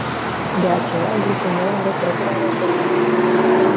De aceea, grupul meu are propria rezoluție.